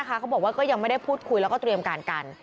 เขาบอกว่าก็ยังไม่ได้พูดคุยแล้วก็เตรียมการกัน